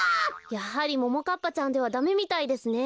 やはりももかっぱちゃんではダメみたいですね。